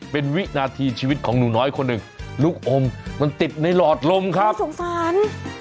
เป็นวินาทีชีวิตของหนูน้อยคนหนึ่งลูกอมมันติดในหลอดลมครับสงสาร